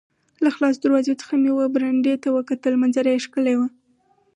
له خلاصو دروازو څخه مې وه برنډې ته کتل، منظره یې ښکلې وه.